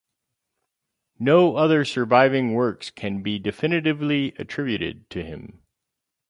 No other surviving works can be definitively attributed to him